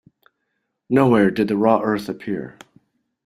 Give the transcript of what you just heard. Nowhere did the raw earth appear.